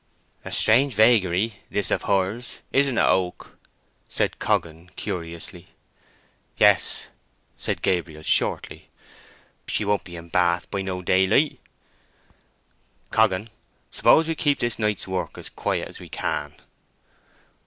"A strange vagary, this of hers, isn't it, Oak?" said Coggan, curiously. "Yes," said Gabriel, shortly. "She won't be in Bath by no daylight!" "Coggan, suppose we keep this night's work as quiet as we can?"